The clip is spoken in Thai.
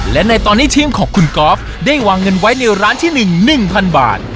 และในตอนนี้ทีมของคุณกอล์ฟได้วางเงินไว้ในร้านที่๑๑๐๐๐บาท